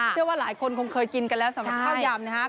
เชื่อว่าหลายคนคงเคยกินกันแล้วสำหรับข้าวยำนะครับ